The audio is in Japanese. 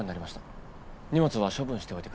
荷物は処分しておいてください。